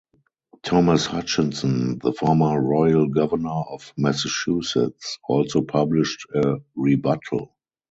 Thomas Hutchinson, the former royal governor of Massachusetts, also published a rebuttal.